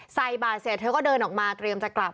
ใส่บาทเสร็จเธอก็เดินออกมาเตรียมจะกลับ